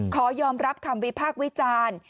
ขอยอมรับคำวิพากษ์วิจารณ์